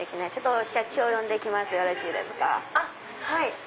はい。